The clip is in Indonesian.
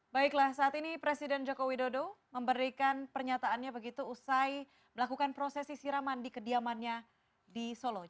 baiklah saat ini presiden joko widodo memberikan pernyataannya begitu usai melakukan prosesi siraman di kediamannya di solo